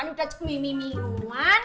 ini udah cemiming mimingan